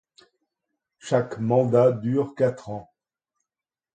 Chaque mandat dure quatre ans.